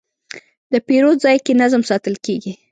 د پیرود ځای کې نظم ساتل کېږي.